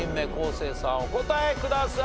生さんお答えください。